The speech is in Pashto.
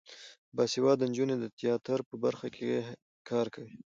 باسواده نجونې د تیاتر په برخه کې کار کوي.